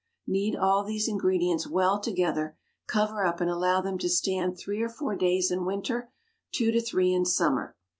Knead all these ingredients well together, cover up and allow them to stand three or four days in winter, two to three in summer.